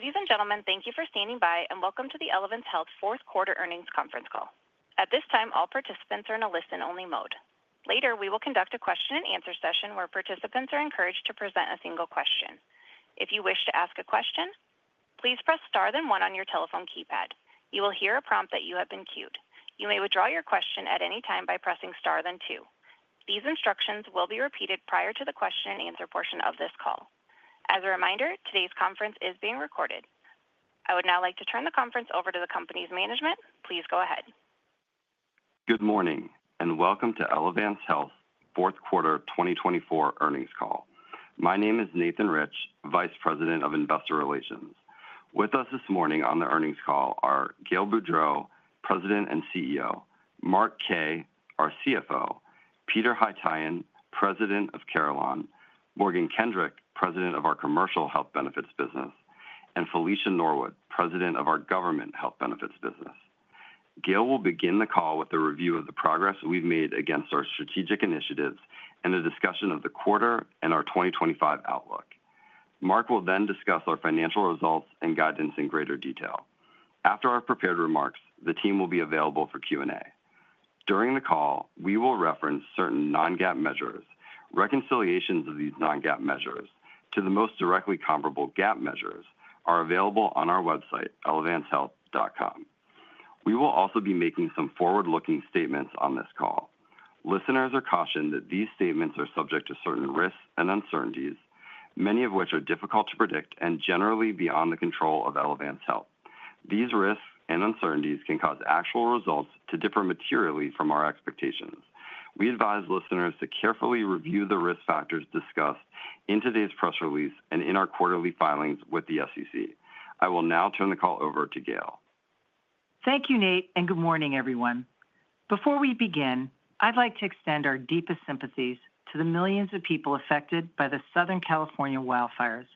Ladies and gentlemen, thank you for standing by, and welcome to the Elevance Health fourth quarter Earnings Conference Call. At this time, all participants are in a listen-only mode. Later, we will conduct a question-and-answer session where participants are encouraged to present a single question. If you wish to ask a question, please press star then one on your telephone keypad. You will hear a prompt that you have been queued. You may withdraw your question at any time by pressing star then two. These instructions will be repeated prior to the question-and-answer portion of this call. As a reminder, today's conference is being recorded. I would now like to turn the conference over to the company's management. Please go ahead. Good morning and welcome to Elevance Health fourth quarter 2024 earnings call. My name is Nathan Rich, Vice President of Investor Relations. With us this morning on the earnings call are Gail Boudreaux, President and CEO, Mark Kaye, our CFO, Peter Haytaian, President of Carelon, Morgan Kendrick, President of our Commercial Health Benefits business, and Felicia Norwood, President of our Government Health Benefits business. Gail will begin the call with a review of the progress we've made against our strategic initiatives and a discussion of the quarter and our 2025 outlook. Mark will then discuss our financial results and guidance in greater detail. After our prepared remarks, the team will be available for Q&A. During the call, we will reference certain non-GAAP measures. Reconciliations of these non-GAAP measures to the most directly comparable GAAP measures are available on our website, elevancehealth.com. We will also be making some forward-looking statements on this call. Listeners are cautioned that these statements are subject to certain risks and uncertainties, many of which are difficult to predict and generally beyond the control of Elevance Health. These risks and uncertainties can cause actual results to differ materially from our expectations. We advise listeners to carefully review the risk factors discussed in today's press release and in our quarterly filings with the SEC. I will now turn the call over to Gail. Thank you, Nate, and good morning, everyone. Before we begin, I'd like to extend our deepest sympathies to the millions of people affected by the Southern California wildfires.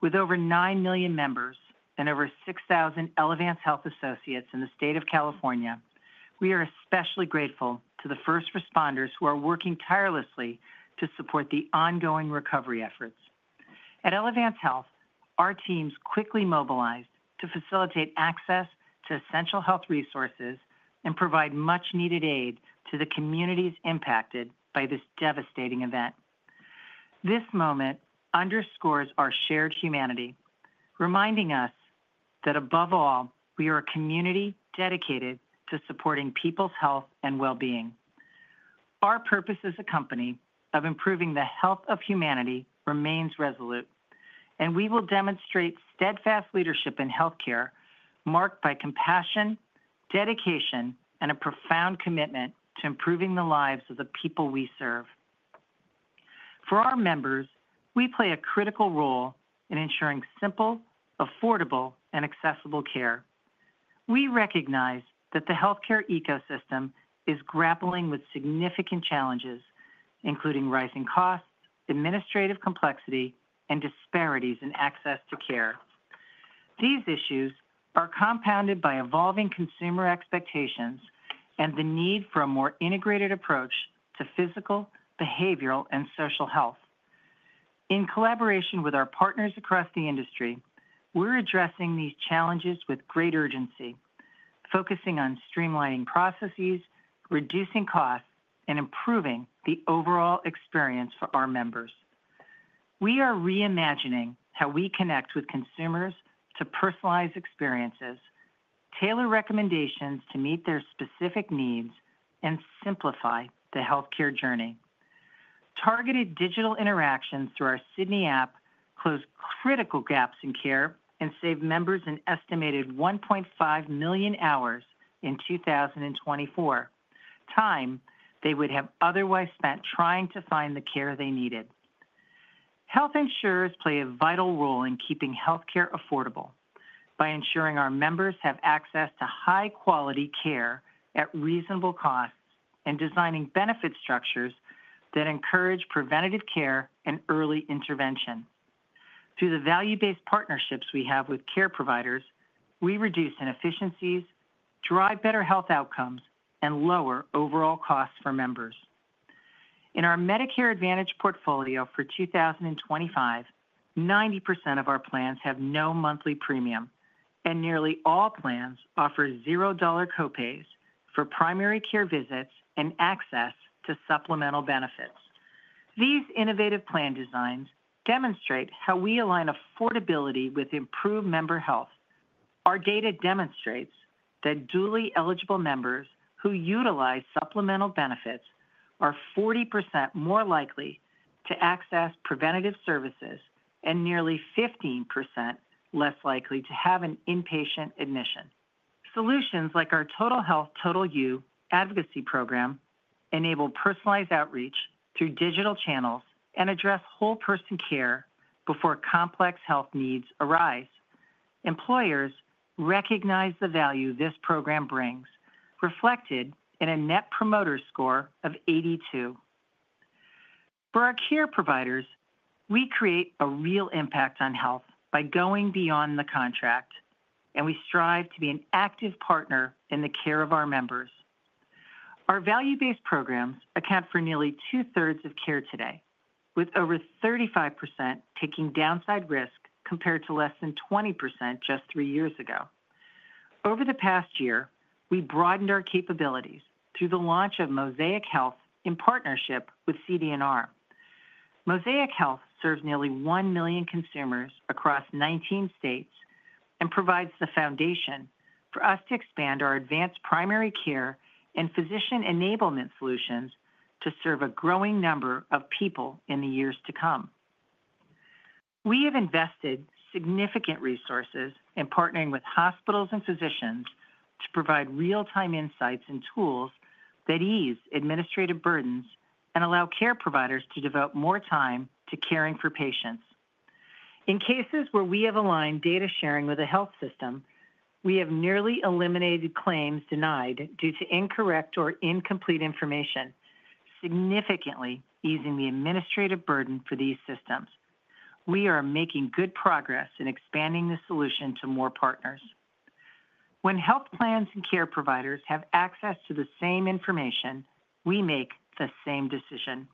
With over nine million members and over 6,000 Elevance Health associates in the state of California, we are especially grateful to the first responders who are working tirelessly to support the ongoing recovery efforts. At Elevance Health, our teams quickly mobilized to facilitate access to essential health resources and provide much-needed aid to the communities impacted by this devastating event. This moment underscores our shared humanity, reminding us that above all, we are a community dedicated to supporting people's health and well-being. Our purpose as a company of improving the health of humanity remains resolute, and we will demonstrate steadfast leadership in healthcare marked by compassion, dedication, and a profound commitment to improving the lives of the people we serve. For our members, we play a critical role in ensuring simple, affordable, and accessible care. We recognize that the healthcare ecosystem is grappling with significant challenges, including rising costs, administrative complexity, and disparities in access to care. These issues are compounded by evolving consumer expectations and the need for a more integrated approach to physical, behavioral, and social health. In collaboration with our partners across the industry, we're addressing these challenges with great urgency, focusing on streamlining processes, reducing costs, and improving the overall experience for our members. We are reimagining how we connect with consumers to personalized experiences, tailor recommendations to meet their specific needs, and simplify the healthcare journey. Targeted digital interactions through our Sydney app close critical gaps in care and save members an estimated 1.5 million hours in 2024, time they would have otherwise spent trying to find the care they needed. Health insurers play a vital role in keeping healthcare affordable by ensuring our members have access to high-quality care at reasonable costs and designing benefit structures that encourage preventative care and early intervention. Through the value-based partnerships we have with care providers, we reduce inefficiencies, drive better health outcomes, and lower overall costs for members. In our Medicare Advantage portfolio for 2025, 90% of our plans have no monthly premium, and nearly all plans offer $0 copays for primary care visits and access to supplemental benefits. These innovative plan designs demonstrate how we align affordability with improved member health. Our data demonstrates that dual eligible members who utilize supplemental benefits are 40% more likely to access preventative services and nearly 15% less likely to have an inpatient admission. Solutions like our Total Health, Total You advocacy program enable personalized outreach through digital channels and address whole-person care before complex health needs arise. Employers recognize the value this program brings, reflected in a Net Promoter Score of 82. For our care providers, we create a real impact on health by going beyond the contract, and we strive to be an active partner in the care of our members. Our value-based programs account for nearly two-thirds of care today, with over 35% taking downside risk compared to less than 20% just three years ago. Over the past year, we broadened our capabilities through the launch of Mosaic Health in partnership with CD&R. Mosaic Health serves nearly 1 million consumers across 19 states and provides the foundation for us to expand our advanced primary care and physician enablement solutions to serve a growing number of people in the years to come. We have invested significant resources in partnering with hospitals and physicians to provide real-time insights and tools that ease administrative burdens and allow care providers to devote more time to caring for patients. In cases where we have aligned data sharing with a health system, we have nearly eliminated claims denied due to incorrect or incomplete information, significantly easing the administrative burden for these systems. We are making good progress in expanding the solution to more partners. When health plans and care providers have access to the same information, we make the same decision.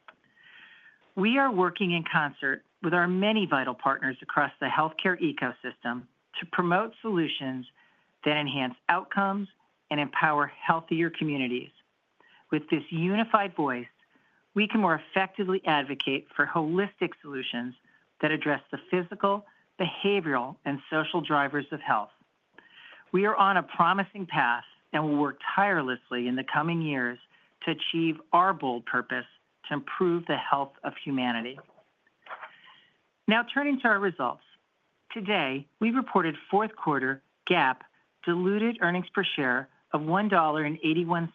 We are working in concert with our many vital partners across the healthcare ecosystem to promote solutions that enhance outcomes and empower healthier communities. With this unified voice, we can more effectively advocate for holistic solutions that address the physical, behavioral, and social drivers of health. We are on a promising path and will work tirelessly in the coming years to achieve our bold purpose to improve the health of humanity. Now, turning to our results. Today, we reported fourth quarter GAAP diluted earnings per share of $1.81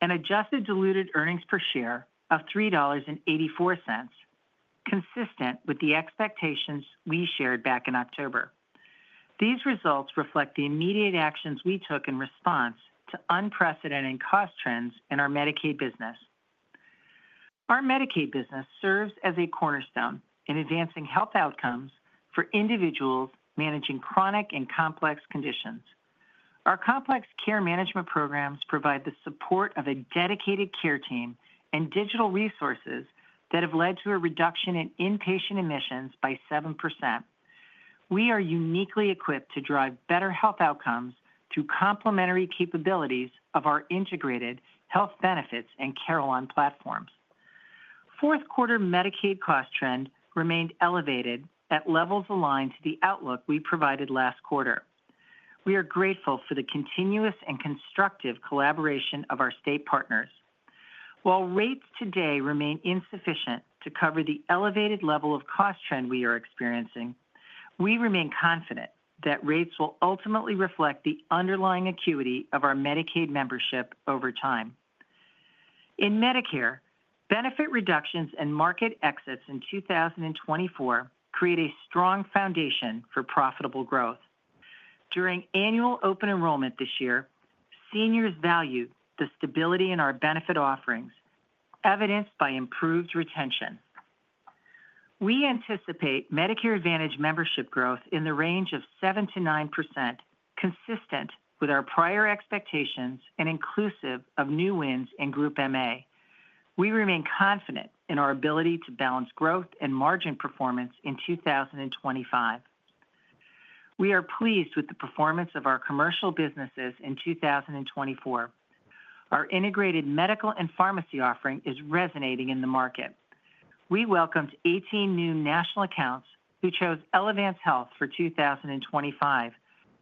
and adjusted diluted earnings per share of $3.84, consistent with the expectations we shared back in October. These results reflect the immediate actions we took in response to unprecedented cost trends in our Medicaid business. Our Medicaid business serves as a cornerstone in advancing health outcomes for individuals managing chronic and complex conditions. Our complex care management programs provide the support of a dedicated care team and digital resources that have led to a reduction in inpatient admissions by 7%. We are uniquely equipped to drive better health outcomes through complementary capabilities of our integrated Health Benefits and Carelon platforms. Fourth quarter Medicaid cost trend remained elevated at levels aligned to the outlook we provided last quarter. We are grateful for the continuous and constructive collaboration of our state partners. While rates today remain insufficient to cover the elevated level of cost trend we are experiencing, we remain confident that rates will ultimately reflect the underlying acuity of our Medicaid membership over time. In Medicare, benefit reductions and market exits in 2024 create a strong foundation for profitable growth. During annual open enrollment this year, seniors valued the stability in our benefit offerings, evidenced by improved retention. We anticipate Medicare Advantage membership growth in the range of 7%-9%, consistent with our prior expectations and inclusive of new wins in Group MA. We remain confident in our ability to balance growth and margin performance in 2025. We are pleased with the performance of our commercial businesses in 2024. Our integrated medical and pharmacy offering is resonating in the market. We welcomed 18 new national accounts who chose Elevance Health for 2025,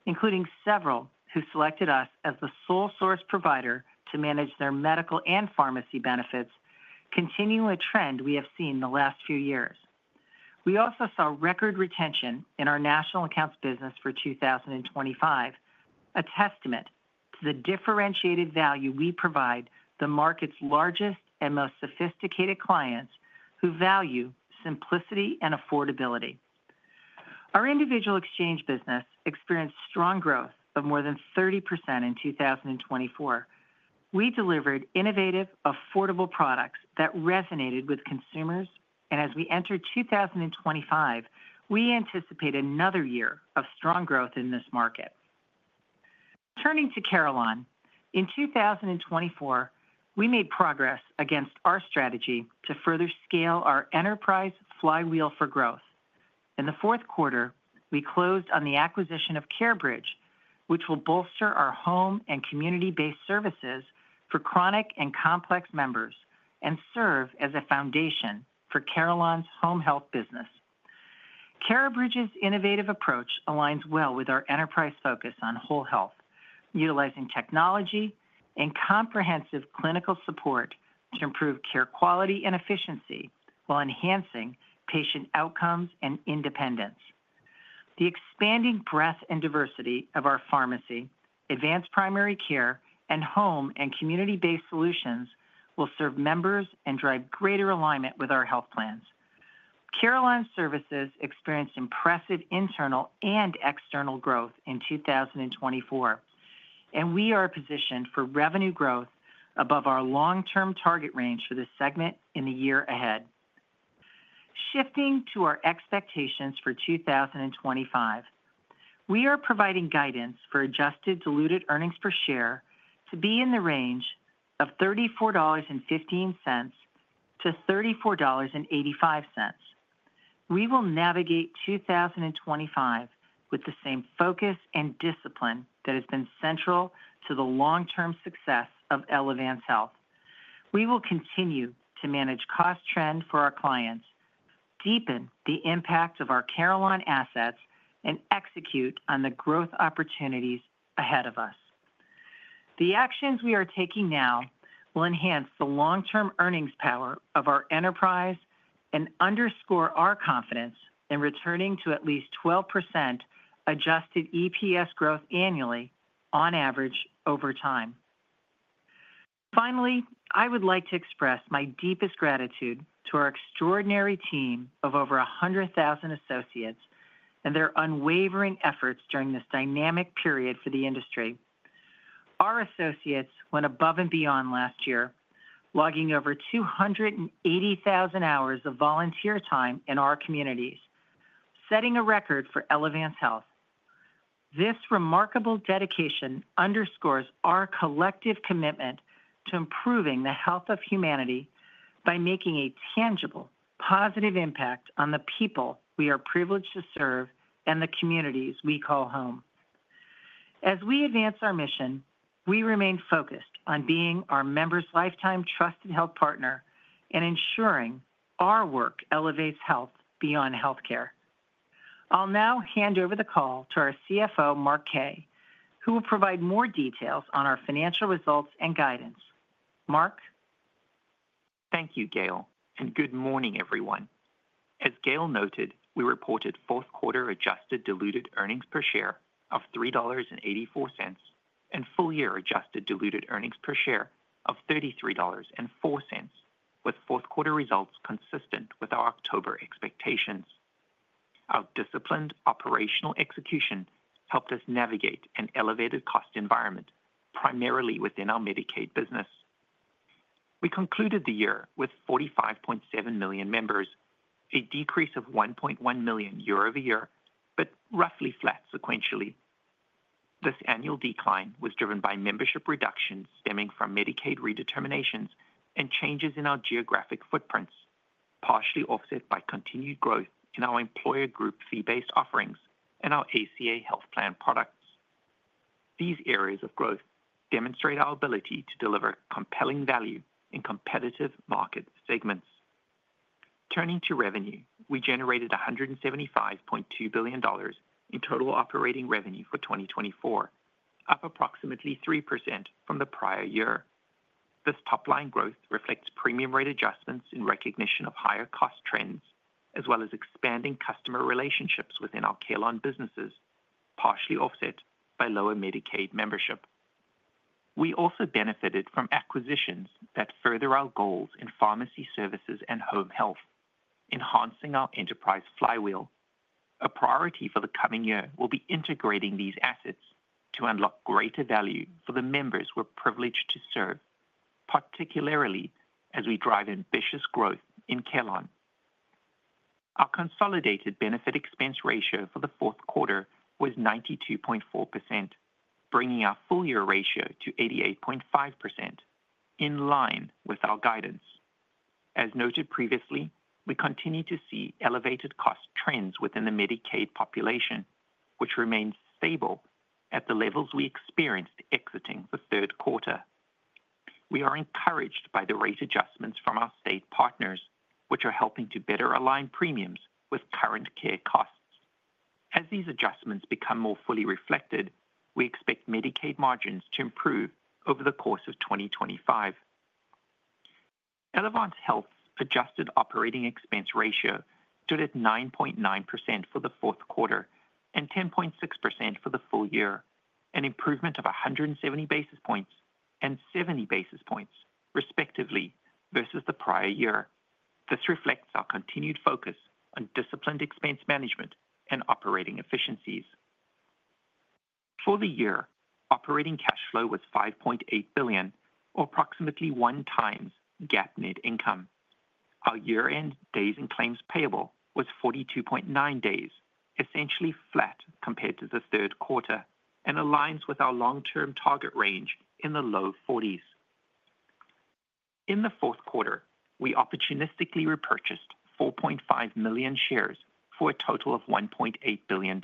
including several who selected us as the sole source provider to manage their medical and pharmacy benefits, continuing a trend we have seen in the last few years. We also saw record retention in our national accounts business for 2025, a testament to the differentiated value we provide the market's largest and most sophisticated clients who value simplicity and affordability. Our individual exchange business experienced strong growth of more than 30% in 2024. We delivered innovative, affordable products that resonated with consumers, and as we enter 2025, we anticipate another year of strong growth in this market. Turning to Carelon, in 2024, we made progress against our strategy to further scale our enterprise flywheel for growth. In the fourth quarter, we closed on the acquisition of CareBridge, which will bolster our home and community-based services for chronic and complex members and serve as a foundation for Carelon's home health business. CareBridge's innovative approach aligns well with our enterprise focus on Whole Health, utilizing technology and comprehensive clinical support to improve care quality and efficiency while enhancing patient outcomes and independence. The expanding breadth and diversity of our pharmacy, advanced primary care, and home and community-based solutions will serve members and drive greater alignment with our health plans. Carelon's services experienced impressive internal and external growth in 2024, and we are positioned for revenue growth above our long-term target range for this segment in the year ahead. Shifting to our expectations for 2025, we are providing guidance for Adjusted Diluted Earnings Per Share to be in the range of $34.15-$34.85. We will navigate 2025 with the same focus and discipline that has been central to the long-term success of Elevance Health. We will continue to manage cost trend for our clients, deepen the impact of our Carelon assets, and execute on the growth opportunities ahead of us. The actions we are taking now will enhance the long-term earnings power of our enterprise and underscore our confidence in returning to at least 12% adjusted EPS growth annually on average over time. Finally, I would like to express my deepest gratitude to our extraordinary team of over 100,000 associates and their unwavering efforts during this dynamic period for the industry. Our associates went above and beyond last year, logging over 280,000 hours of volunteer time in our communities, setting a record for Elevance Health. This remarkable dedication underscores our collective commitment to improving the health of humanity by making a tangible, positive impact on the people we are privileged to serve and the communities we call home. As we advance our mission, we remain focused on being our members' lifetime trusted health partner and ensuring our work elevates health beyond healthcare. I'll now hand over the call to our CFO, Mark Kaye, who will provide more details on our financial results and guidance. Mark. Thank you, Gail, and good morning, everyone. As Gail noted, we reported fourth quarter adjusted diluted earnings per share of $3.84 and full-year adjusted diluted earnings per share of $33.04, with fourth quarter results consistent with our October expectations. Our disciplined operational execution helped us navigate an elevated cost environment, primarily within our Medicaid business. We concluded the year with 45.7 million members, a decrease of 1.1 million year over year, but roughly flat sequentially. This annual decline was driven by membership reductions stemming from Medicaid redeterminations and changes in our geographic footprints, partially offset by continued growth in our employer group fee-based offerings and our ACA health plan products. These areas of growth demonstrate our ability to deliver compelling value in competitive market segments. Turning to revenue, we generated $175.2 billion in total operating revenue for 2024, up approximately 3% from the prior year. This top-line growth reflects premium rate adjustments in recognition of higher cost trends, as well as expanding customer relationships within our Carelon businesses, partially offset by lower Medicaid membership. We also benefited from acquisitions that further our goals in pharmacy services and home health, enhancing our enterprise flywheel. A priority for the coming year will be integrating these assets to unlock greater value for the members we're privileged to serve, particularly as we drive ambitious growth in Carelon. Our consolidated benefit expense ratio for the fourth quarter was 92.4%, bringing our full-year ratio to 88.5%, in line with our guidance. As noted previously, we continue to see elevated cost trends within the Medicaid population, which remains stable at the levels we experienced exiting the third quarter. We are encouraged by the rate adjustments from our state partners, which are helping to better align premiums with current care costs. As these adjustments become more fully reflected, we expect Medicaid margins to improve over the course of 2025. Elevance Health's adjusted operating expense ratio stood at 9.9% for the fourth quarter and 10.6% for the full year, an improvement of 170 basis points and 70 basis points, respectively, versus the prior year. This reflects our continued focus on disciplined expense management and operating efficiencies. For the year, operating cash flow was $5.8 billion, or approximately one times GAAP net income. Our year-end days in claims payable was 42.9 days, essentially flat compared to the third quarter, and aligns with our long-term target range in the low 40s. In the fourth quarter, we opportunistically repurchased 4.5 million shares for a total of $1.8 billion,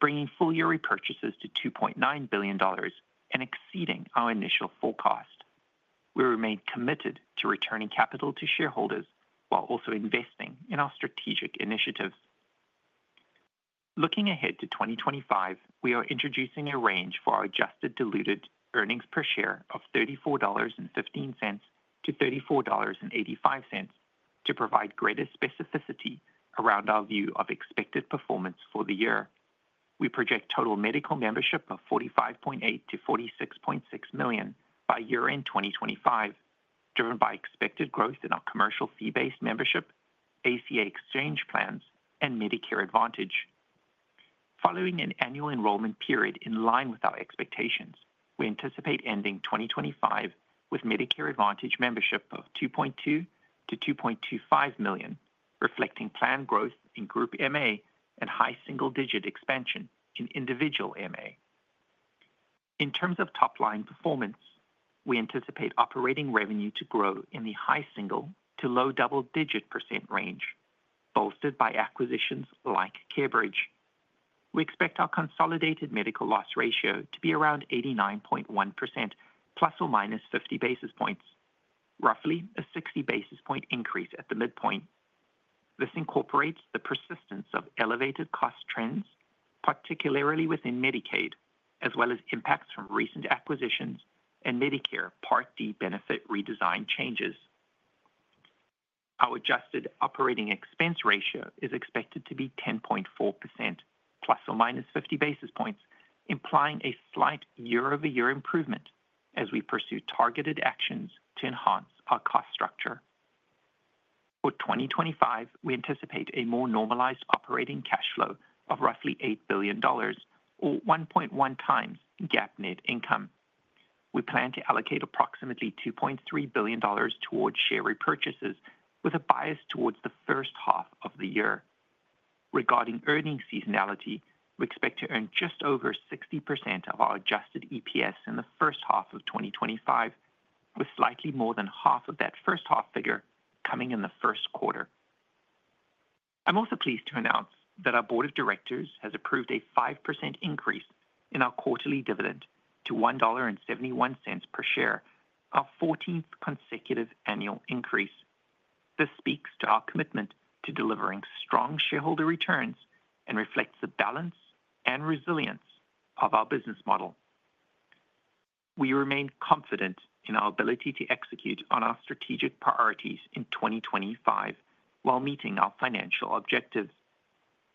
bringing full-year repurchases to $2.9 billion and exceeding our initial forecast. We remain committed to returning capital to shareholders while also investing in our strategic initiatives. Looking ahead to 2025, we are introducing a range for our adjusted diluted earnings per share of $34.15-$34.85 to provide greater specificity around our view of expected performance for the year. We project total medical membership of 45.8-46.6 million by year-end 2025, driven by expected growth in our commercial fee-based membership, ACA exchange plans, and Medicare Advantage. Following an annual enrollment period in line with our expectations, we anticipate ending 2025 with Medicare Advantage membership of 2.2-2.25 million, reflecting planned growth in Group MA and high single-digit expansion in individual MA. In terms of top-line performance, we anticipate operating revenue to grow in the high single- to low double-digit % range, bolstered by acquisitions like CareBridge. We expect our consolidated medical loss ratio to be around 89.1%, plus or minus 50 basis points, roughly a 60 basis point increase at the midpoint. This incorporates the persistence of elevated cost trends, particularly within Medicaid, as well as impacts from recent acquisitions and Medicare Part D benefit redesign changes. Our adjusted operating expense ratio is expected to be 10.4%, plus or minus 50 basis points, implying a slight year-over-year improvement as we pursue targeted actions to enhance our cost structure. For 2025, we anticipate a more normalized operating cash flow of roughly $8 billion, or 1.1 times GAAP net income. We plan to allocate approximately $2.3 billion towards share repurchases, with a bias towards the first half of the year. Regarding earnings seasonality, we expect to earn just over 60% of our adjusted EPS in the first half of 2025, with slightly more than half of that first half figure coming in the first quarter. I'm also pleased to announce that our Board of Directors has approved a 5% increase in our quarterly dividend to $1.71 per share, our 14th consecutive annual increase. This speaks to our commitment to delivering strong shareholder returns and reflects the balance and resilience of our business model. We remain confident in our ability to execute on our strategic priorities in 2025 while meeting our financial objectives.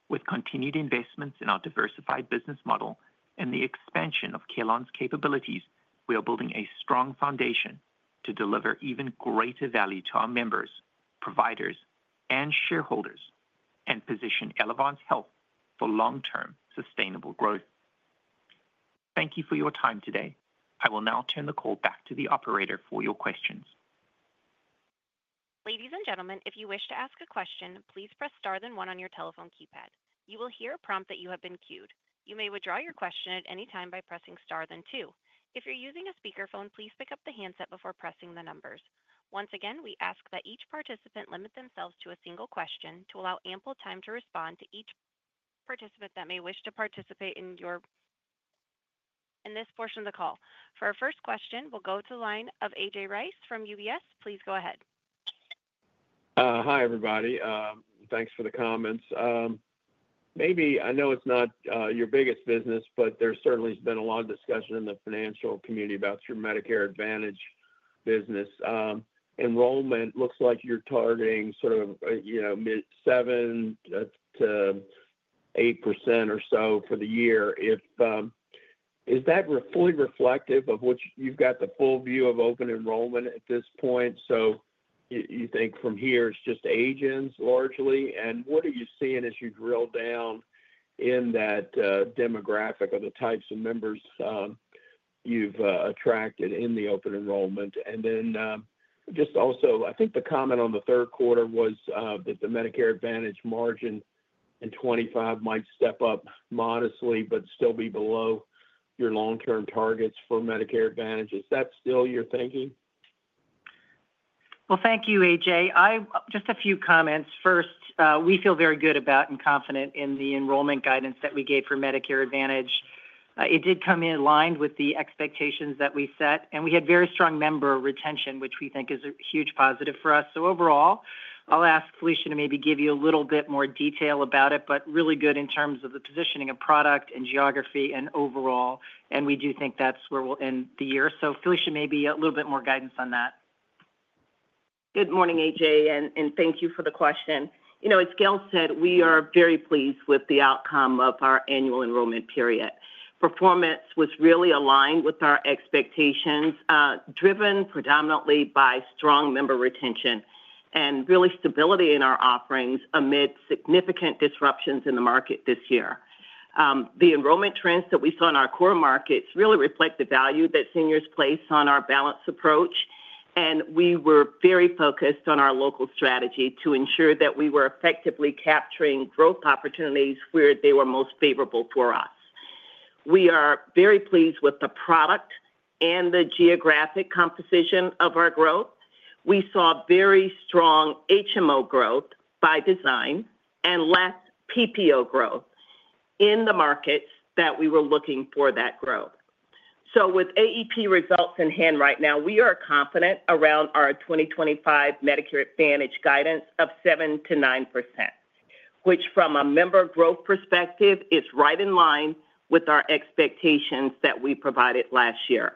With continued investments in our diversified business model and the expansion of Carelon's capabilities, we are building a strong foundation to deliver even greater value to our members, providers, and shareholders and position Elevance Health for long-term sustainable growth. Thank you for your time today. I will now turn the call back to the operator for your questions. Ladies and gentlemen, if you wish to ask a question, please press star then one on your telephone keypad. You will hear a prompt that you have been queued. You may withdraw your question at any time by pressing star then two. If you're using a speakerphone, please pick up the handset before pressing the numbers. Once again, we ask that each participant limit themselves to a single question to allow ample time to respond to each participant that may wish to participate in this portion of the call. For our first question, we'll go to the line of AJ Rice from UBS. Please go ahead. Hi, everybody. Thanks for the comments. Maybe I know it's not your biggest business, but there certainly has been a lot of discussion in the financial community about your Medicare Advantage business. Enrollment looks like you're targeting sort of mid-seven to 8% or so for the year. Is that fully reflective of what you've got, the full view of open enrollment at this point? So you think from here it's just agents largely? And what are you seeing as you drill down in that demographic of the types of members you've attracted in the open enrollment? And then just also, I think the comment on the third quarter was that the Medicare Advantage margin in 2025 might step up modestly but still be below your long-term targets for Medicare Advantage. Is that still your thinking? Well, thank you, AJ. Just a few comments. First, we feel very good about and confident in the enrollment guidance that we gave for Medicare Advantage. It did come in aligned with the expectations that we set, and we had very strong member retention, which we think is a huge positive for us. So overall, I'll ask Felicia to maybe give you a little bit more detail about it, but really good in terms of the positioning of product and geography and overall. And we do think that's where we'll end the year. So Felicia, maybe a little bit more guidance on that. Good morning, AJ, and thank you for the question. As Gail said, we are very pleased with the outcome of our annual enrollment period. Performance was really aligned with our expectations, driven predominantly by strong member retention and really stability in our offerings amid significant disruptions in the market this year. The enrollment trends that we saw in our core markets really reflect the value that seniors place on our balanced approach, and we were very focused on our local strategy to ensure that we were effectively capturing growth opportunities where they were most favorable for us. We are very pleased with the product and the geographic composition of our growth. We saw very strong HMO growth by design and less PPO growth in the markets that we were looking for that growth. So with AEP results in hand right now, we are confident around our 2025 Medicare Advantage guidance of 7%-9%, which from a member growth perspective is right in line with our expectations that we provided last year.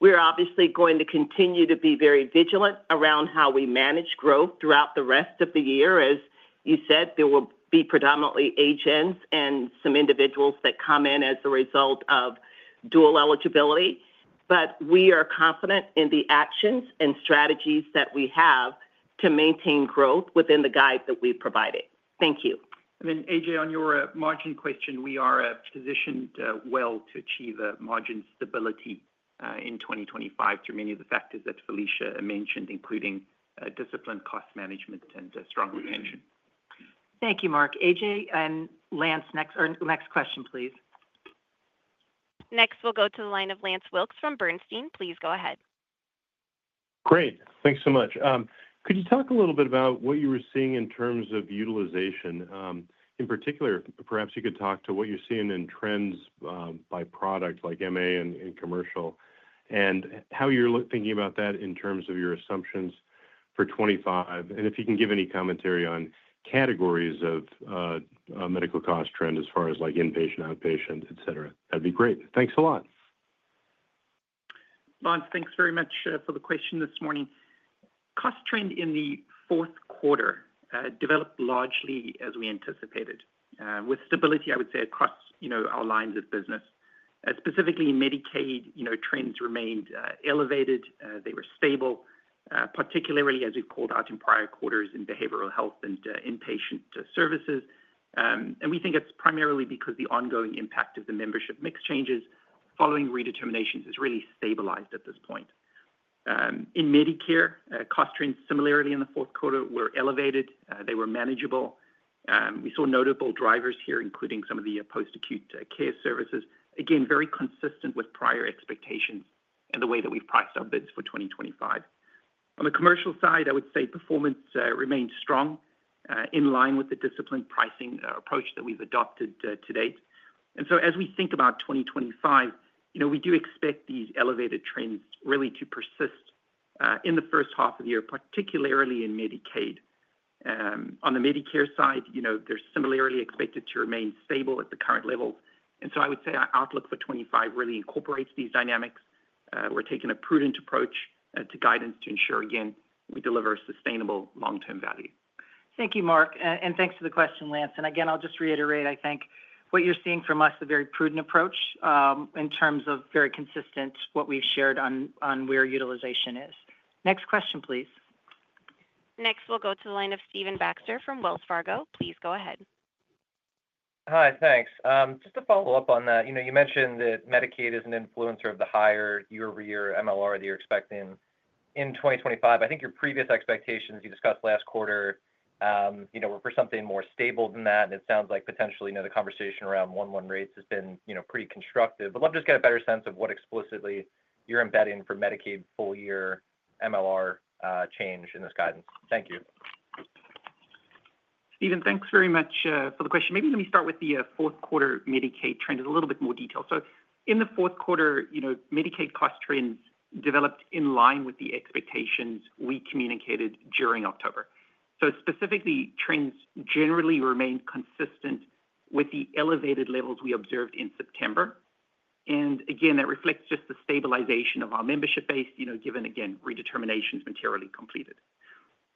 We are obviously going to continue to be very vigilant around how we manage growth throughout the rest of the year. As you said, there will be predominantly agents and some individuals that come in as a result of dual eligibility, but we are confident in the actions and strategies that we have to maintain growth within the guide that we provided. Thank you. And then, AJ, on your margin question, we are positioned well to achieve margin stability in 2025 through many of the factors that Felicia mentioned, including disciplined cost management and strong retention. Thank you, Mark. AJ and Lance, next question, please. Next, we'll go to the line of Lance Wilkes from Bernstein. Please go ahead. Great. Thanks so much. Could you talk a little bit about what you were seeing in terms of utilization? In particular, perhaps you could talk to what you're seeing in trends by product like MA and commercial and how you're thinking about that in terms of your assumptions for 2025. And if you can give any commentary on categories of medical cost trend as far as inpatient, outpatient, etc., that'd be great. Thanks a lot. Lance, thanks very much for the question this morning. Cost trend in the fourth quarter developed largely as we anticipated, with stability, I would say, across our lines of business. Specifically, Medicaid trends remained elevated. They were stable, particularly as we've called out in prior quarters in behavioral health and inpatient services. And we think it's primarily because the ongoing impact of the membership mix changes following redeterminations has really stabilized at this point. In Medicare, cost trends similarly in the fourth quarter were elevated. They were manageable. We saw notable drivers here, including some of the post-acute care services. Again, very consistent with prior expectations and the way that we've priced our bids for 2025. On the commercial side, I would say performance remained strong in line with the disciplined pricing approach that we've adopted to date. And so as we think about 2025, we do expect these elevated trends really to persist in the first half of the year, particularly in Medicare. On the Medicare side, they're similarly expected to remain stable at the current levels. And so I would say our outlook for 2025 really incorporates these dynamics. We're taking a prudent approach to guidance to ensure, again, we deliver sustainable long-term value. Thank you, Mark. And thanks for the question, Lance. And again, I'll just reiterate, I think what you're seeing from us, a very prudent approach in terms of very consistent what we've shared on where utilization is. Next question, please. Next, we'll go to the line of Stephen Baxter from Wells Fargo. Please go ahead. Hi, thanks. Just to follow up on that, you mentioned that Medicaid is an influencer of the higher year-over-year MLR that you're expecting in 2025. I think your previous expectations you discussed last quarter were for something more stable than that. And it sounds like potentially the conversation around 1/1 rates has been pretty constructive. But I'd love to just get a better sense of what explicitly you're embedding for Medicaid full-year MLR change in this guidance. Thank you. Stephen, thanks very much for the question. Maybe let me start with the fourth quarter Medicaid trend in a little bit more detail. So in the fourth quarter, Medicaid cost trends developed in line with the expectations we communicated during October. So specifically, trends generally remained consistent with the elevated levels we observed in September. And again, that reflects just the stabilization of our membership base given, again, redeterminations materially completed.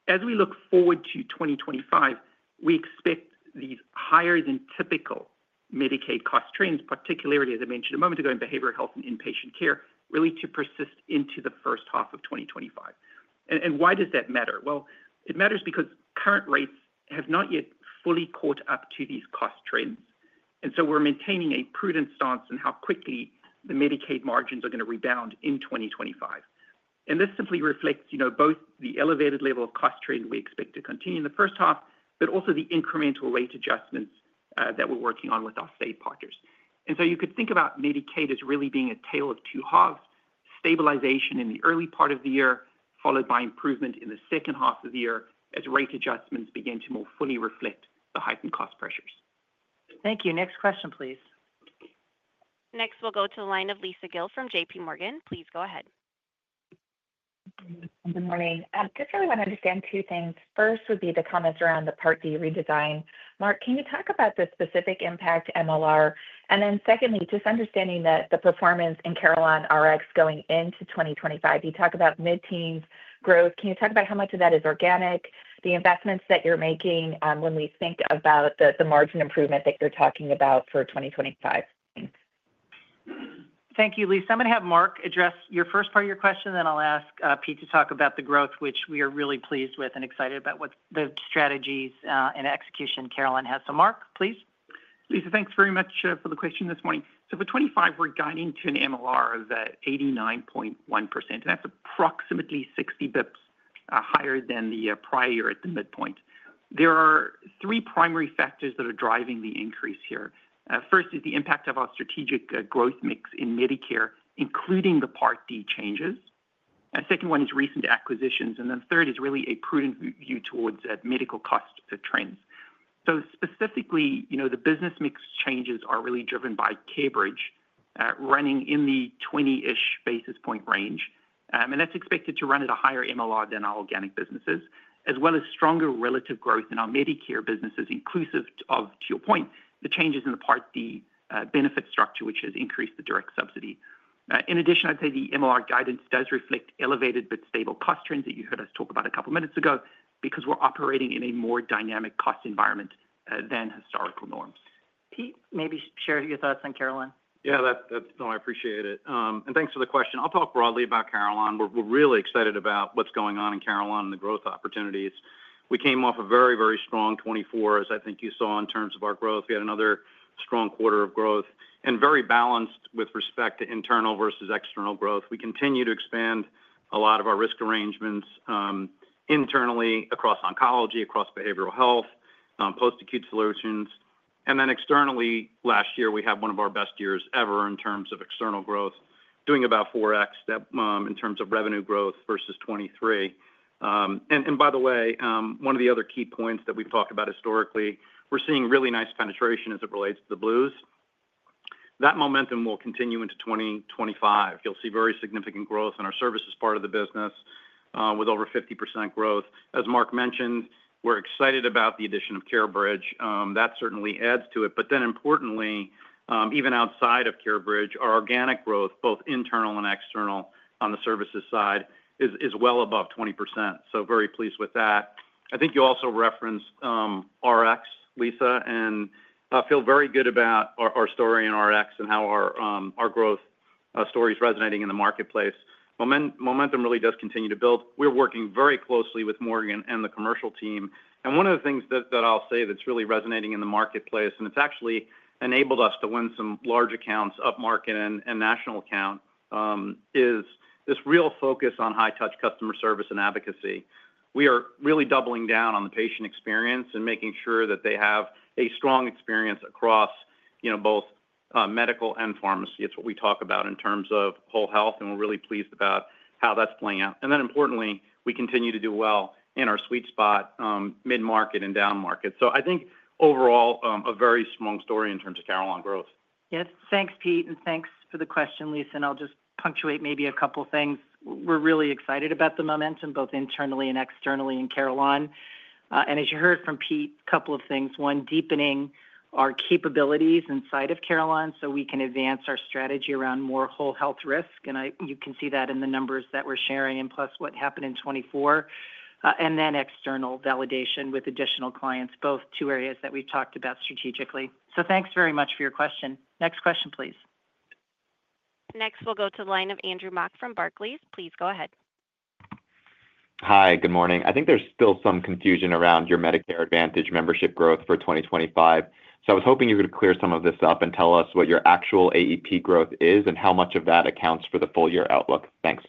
As we look forward to 2025, we expect these higher than typical Medicaid cost trends, particularly, as I mentioned a moment ago in behavioral health and inpatient care, really to persist into the first half of 2025. Why does that matter? It matters because current rates have not yet fully caught up to these cost trends. We're maintaining a prudent stance on how quickly the Medicaid margins are going to rebound in 2025. This simply reflects both the elevated level of cost trend we expect to continue in the first half, but also the incremental rate adjustments that we're working on with our state partners. And so you could think about Medicaid as really being a tale of two halves: stabilization in the early part of the year, followed by improvement in the second half of the year as rate adjustments begin to more fully reflect the heightened cost pressures. Thank you. Next question, please. Next, we'll go to the line of Lisa Gill from JPMorgan. Please go ahead. Good morning. I just really want to understand two things. First would be the comments around the Part D redesign. Mark, can you talk about the specific impact MLR? And then secondly, just understanding that the performance in CarelonRx going into 2025, you talk about mid-teens growth. Can you talk about how much of that is organic, the investments that you're making when we think about the margin improvement that you're talking about for 2025? Thank you, Lisa. I'm going to have Mark address your first part of your question, then I'll ask Pete to talk about the growth, which we are really pleased with and excited about what the strategies and execution Carelon has. So Mark, please. Lisa, thanks very much for the question this morning. So for 2025, we're guiding to an MLR of 89.1%, and that's approximately 60 basis points higher than the prior year at the midpoint. There are three primary factors that are driving the increase here. First is the impact of our strategic growth mix in Medicare, including the Part D changes. Second one is recent acquisitions. And then third is really a prudent view towards medical cost trends. So specifically, the business mix changes are really driven by CareBridge running in the 20-ish basis point range. That's expected to run at a higher MLR than our organic businesses, as well as stronger relative growth in our Medicare businesses, inclusive of, to your point, the changes in the Part D benefit structure, which has increased the direct subsidy. In addition, I'd say the MLR guidance does reflect elevated but stable cost trends that you heard us talk about a couple of minutes ago because we're operating in a more dynamic cost environment than historical norms. Pete, maybe share your thoughts on Carelon. Yeah, that's no, I appreciate it. And thanks for the question. I'll talk broadly about Carelon. We're really excited about what's going on in Carelon and the growth opportunities. We came off a very, very strong 2024, as I think you saw in terms of our growth. We had another strong quarter of growth and very balanced with respect to internal versus external growth. We continue to expand a lot of our risk arrangements internally across oncology, across behavioral health, post-acute solutions. And then externally, last year, we had one of our best years ever in terms of external growth, doing about 4x in terms of revenue growth versus 2023. And by the way, one of the other key points that we've talked about historically, we're seeing really nice penetration as it relates to the Blues. That momentum will continue into 2025. You'll see very significant growth in our services part of the business with over 50% growth. As Mark mentioned, we're excited about the addition of CareBridge. That certainly adds to it. But then importantly, even outside of CareBridge, our organic growth, both internal and external on the services side, is well above 20%. So very pleased with that. I think you also referenced Rx, Lisa, and I feel very good about our story in Rx and how our growth story is resonating in the marketplace. Momentum really does continue to build. We're working very closely with Morgan and the commercial team. And one of the things that I'll say that's really resonating in the marketplace, and it's actually enabled us to win some large accounts upmarket and national account, is this real focus on high-touch customer service and advocacy. We are really doubling down on the patient experience and making sure that they have a strong experience across both medical and pharmacy. It's what we talk about in terms of whole health, and we're really pleased about how that's playing out. And then importantly, we continue to do well in our sweet spot, mid-market and down market. So I think overall, a very strong story in terms of Carelon growth. Yes. Thanks, Pete. And thanks for the question, Lisa. And I'll just punctuate maybe a couple of things. We're really excited about the momentum both internally and externally in Carelon. And as you heard from Pete, a couple of things. One, deepening our capabilities inside of Carelon so we can advance our strategy around more whole health risk. And you can see that in the numbers that we're sharing and plus what happened in 2024. And then external validation with additional clients, both two areas that we've talked about strategically. So thanks very much for your question. Next question, please. Next, we'll go to the line of Andrew Mok from Barclays. Please go ahead. Hi, good morning. I think there's still some confusion around your Medicare Advantage membership growth for 2025. So I was hoping you could clear some of this up and tell us what your actual AEP growth is and how much of that accounts for the full-year outlook. Thanks.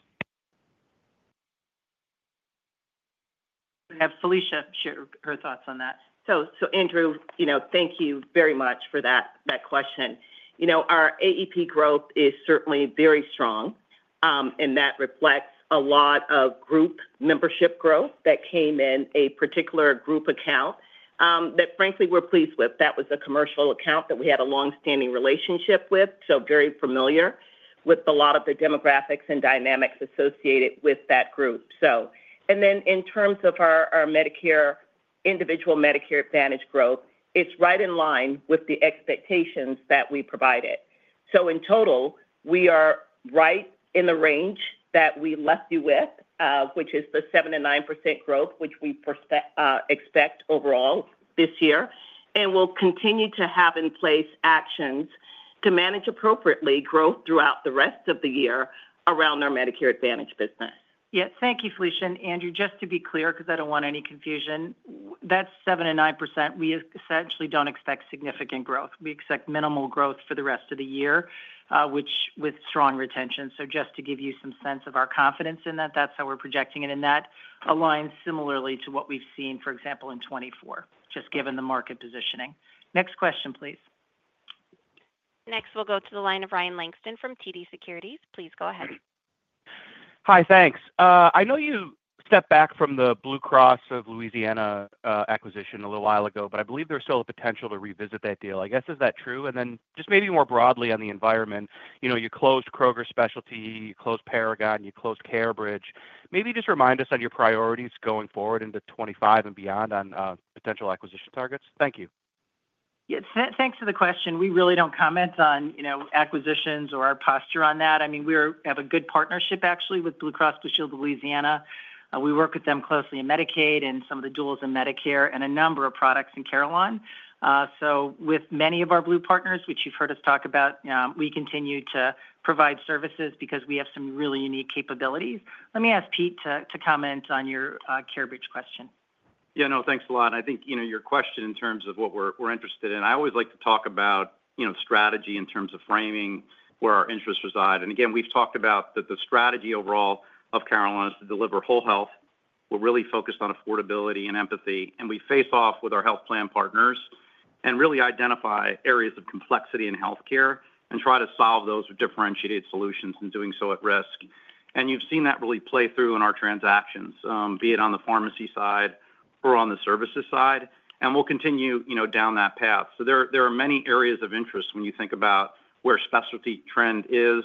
We have Felicia share her thoughts on that. So Andrew, thank you very much for that question. Our AEP growth is certainly very strong, and that reflects a lot of group membership growth that came in a particular group account that, frankly, we're pleased with. That was a commercial account that we had a long-standing relationship with, so very familiar with a lot of the demographics and dynamics associated with that group. And then in terms of our individual Medicare Advantage growth, it's right in line with the expectations that we provided. So in total, we are right in the range that we left you with, which is the 7%-9% growth, which we expect overall this year. And we'll continue to have in place actions to manage appropriately growth throughout the rest of the year around our Medicare Advantage business. Yes. Thank you, Felicia. And Andrew, just to be clear, because I don't want any confusion, that's 7%-9%. We essentially don't expect significant growth. We expect minimal growth for the rest of the year, which with strong retention. So just to give you some sense of our confidence in that, that's how we're projecting it. And that aligns similarly to what we've seen, for example, in 2024, just given the market positioning. Next question, please. Next, we'll go to the line of Ryan Langston from TD Securities. Please go ahead. Hi, thanks. I know you stepped back from the Blue Cross and Blue Shield of Louisiana acquisition a little while ago, but I believe there's still a potential to revisit that deal. I guess, is that true? And then just maybe more broadly on the environment, you closed Kroger Specialty Pharmacy, you closed Paragon Healthcare, you closed CareBridge. Maybe just remind us on your priorities going forward into 2025 and beyond on potential acquisition targets. Thank you. Yes. Thanks for the question. We really don't comment on acquisitions or our posture on that. I mean, we have a good partnership actually with Blue Cross Blue Shield of Louisiana. We work with them closely in Medicaid and some of the duals in Medicare and a number of products in Carelon. So with many of our Blues partners, which you've heard us talk about, we continue to provide services because we have some really unique capabilities. Let me ask Pete to comment on your CareBridge question. Yeah, no, thanks a lot. I think your question in terms of what we're interested in. I always like to talk about strategy in terms of framing where our interests reside. And again, we've talked about that the strategy overall of Carelon is to deliver whole health. We're really focused on affordability and empathy. And we face off with our health plan partners and really identify areas of complexity in healthcare and try to solve those with differentiated solutions and doing so at risk. And you've seen that really play through in our transactions, be it on the pharmacy side or on the services side. And we'll continue down that path. So there are many areas of interest when you think about where specialty trend is,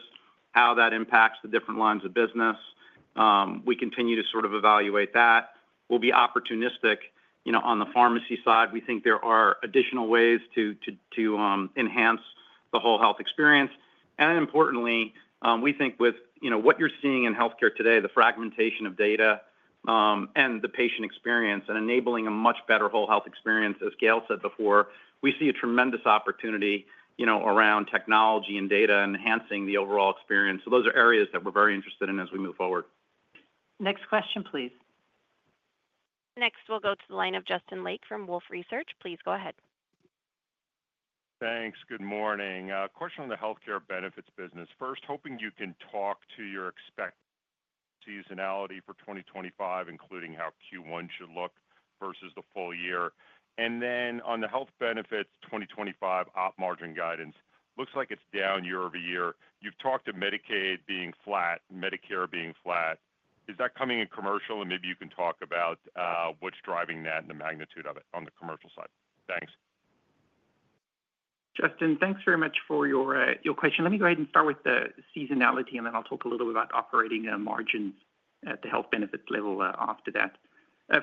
how that impacts the different lines of business. We continue to sort of evaluate that. We'll be opportunistic on the pharmacy side. We think there are additional ways to enhance the whole health experience. And then importantly, we think with what you're seeing in healthcare today, the fragmentation of data and the patient experience and enabling a much better whole health experience, as Gail said before, we see a tremendous opportunity around technology and data enhancing the overall experience, so those are areas that we're very interested in as we move forward. Next question, please. Next, we'll go to the line of Justin Lake from Wolfe Research. Please go ahead. Thanks. Good morning. A question on the healthcare benefits business. First, hoping you can talk to your expectations and seasonality for 2025, including how Q1 should look versus the full year, and then on the Health Benefits 2025 op margin guidance, looks like it's down year over year. You've talked to Medicaid being flat, Medicare being flat. Is that coming in commercial? And maybe you can talk about what's driving that and the magnitude of it on the commercial side. Thanks. Justin, thanks very much for your question. Let me go ahead and start with the seasonality, and then I'll talk a little bit about operating margins at the Health Benefits level after that.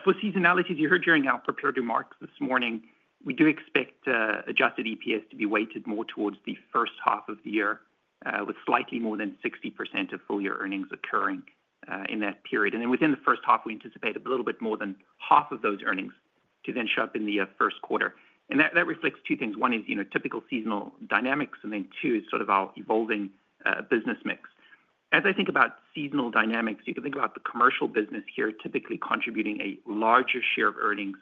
For seasonality, you heard during our preparatory remarks this morning, we do expect adjusted EPS to be weighted more towards the first half of the year with slightly more than 60% of full-year earnings occurring in that period. And then within the first half, we anticipate a little bit more than half of those earnings to then show up in the first quarter. And that reflects two things. One is typical seasonal dynamics, and then two is sort of our evolving business mix. As I think about seasonal dynamics, you can think about the commercial business here typically contributing a larger share of earnings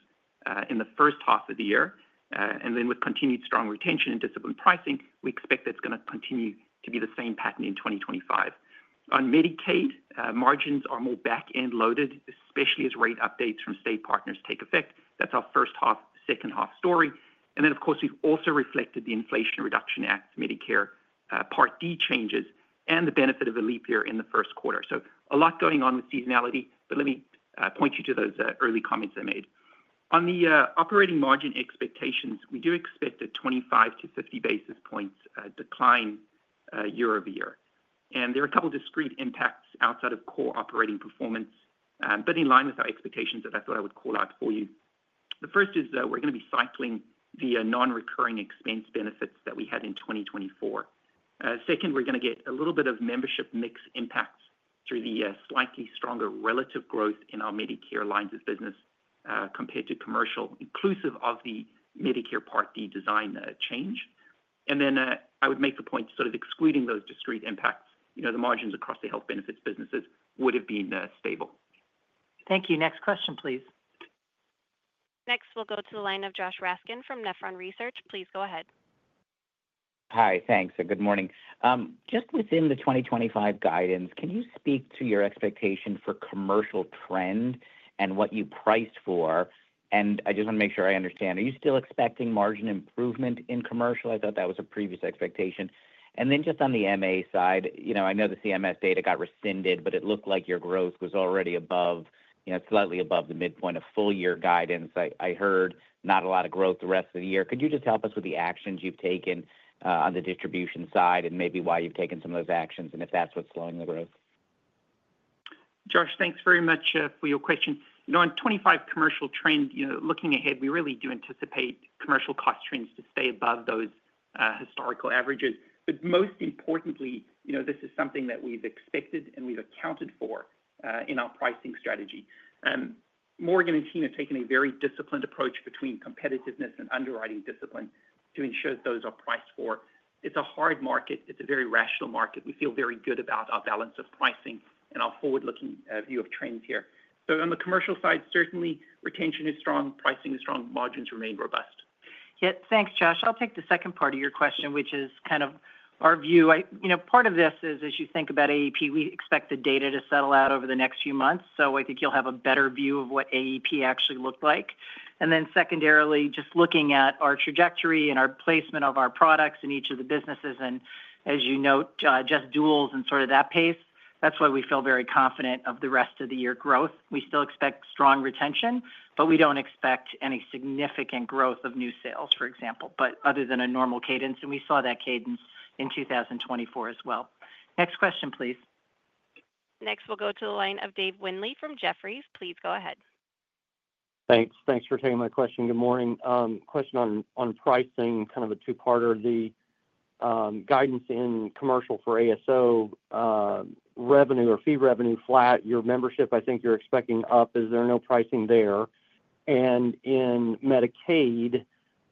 in the first half of the year. And then with continued strong retention and disciplined pricing, we expect that's going to continue to be the same pattern in 2025. On Medicaid, margins are more back-end loaded, especially as rate updates from state partners take effect. That's our first half, second half story. And then, of course, we've also reflected the Inflation Reduction Act, Medicare Part D changes, and the benefit of a leap year in the first quarter. So a lot going on with seasonality, but let me point you to those early comments I made. On the operating margin expectations, we do expect a 25-50 basis points decline year over year. And there are a couple of discrete impacts outside of core operating performance, but in line with our expectations that I thought I would call out for you. The first is we're going to be cycling the non-recurring expense benefits that we had in 2024. Second, we're going to get a little bit of membership mix impacts through the slightly stronger relative growth in our Medicare lines of business compared to commercial, inclusive of the Medicare Part D design change. And then I would make the point, sort of excluding those discrete impacts, the margins across the Health Benefits businesses would have been stable. Thank you. Next question, please. Next, we'll go to the line of Joshua Raskin from Nephron Research. Please go ahead. Hi, thanks. Good morning. Just within the 2025 guidance, can you speak to your expectation for commercial trend and what you priced for? I just want to make sure I understand. Are you still expecting margin improvement in commercial? I thought that was a previous expectation. Then just on the MA side, I know the CMS data got rescinded, but it looked like your growth was already slightly above the midpoint of full-year guidance. I heard not a lot of growth the rest of the year. Could you just help us with the actions you've taken on the distribution side and maybe why you've taken some of those actions and if that's what's slowing the growth? Josh, thanks very much for your question. On 2025 commercial trend, looking ahead, we really do anticipate commercial cost trends to stay above those historical averages. Most importantly, this is something that we've expected and we've accounted for in our pricing strategy. Morgan and team have taken a very disciplined approach between competitiveness and underwriting discipline to ensure that those are priced for. It's a hard market. It's a very rational market. We feel very good about our balance of pricing and our forward-looking view of trends here. So on the commercial side, certainly retention is strong, pricing is strong, margins remain robust. Yes. Thanks, Josh. I'll take the second part of your question, which is kind of our view. Part of this is, as you think about AEP, we expect the data to settle out over the next few months. So I think you'll have a better view of what AEP actually looked like. And then secondarily, just looking at our trajectory and our placement of our products in each of the businesses, and as you note, just duals and sort of that pace, that's why we feel very confident of the rest of the year growth. We still expect strong retention, but we don't expect any significant growth of new sales, for example, but other than a normal cadence. And we saw that cadence in 2024 as well. Next question, please. Next, we'll go to the line of Dave Windley from Jefferies. Please go ahead. Thanks. Thanks for taking my question. Good morning. Question on pricing, kind of a two-parter. The guidance in commercial for ASO revenue or fee revenue flat, your membership, I think you're expecting up. Is there no pricing there? In Medicaid,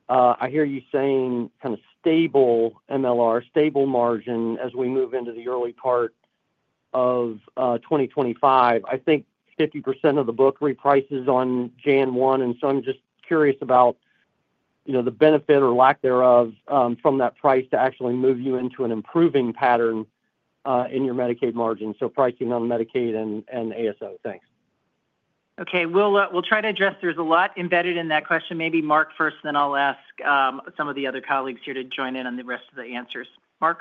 I hear you saying kind of stable MLR, stable margin as we move into the early part of 2025. I think 50% of the book reprices on January 1. And so I'm just curious about the benefit or lack thereof from that price to actually move you into an improving pattern in your Medicaid margin. So pricing on Medicaid and ASO. Thanks. Okay. We'll try to address. There's a lot embedded in that question. Maybe Mark first, then I'll ask some of the other colleagues here to join in on the rest of the answers. Mark?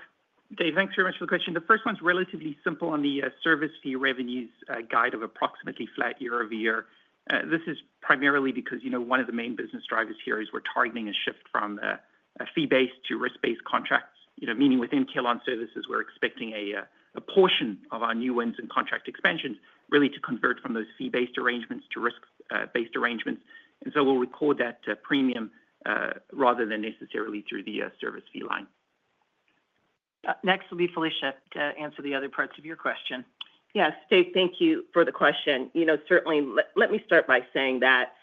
Dave, thanks very much for the question. The first one's relatively simple on the service fee revenues guide of approximately flat year over year. This is primarily because one of the main business drivers here is we're targeting a shift from a fee-based to risk-based contracts, meaning within Carelon Services, we're expecting a portion of our new wins and contract expansions really to convert from those fee-based arrangements to risk-based arrangements. And so we'll record that premium rather than necessarily through the service fee line. Next, we'll be Felicia to answer the other parts of your question. Yes. Dave, thank you for the question. Certainly, let me start by saying that